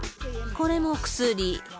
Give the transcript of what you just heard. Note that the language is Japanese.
これも薬。